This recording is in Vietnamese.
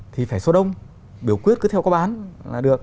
thì phải số đông biểu quyết cứ theo có bán là được